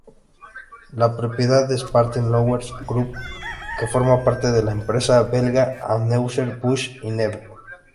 Es propiedad de "Spaten-Löwenbräu-Gruppe", que forma parte de la empresa belga Anheuser-Busch InBev.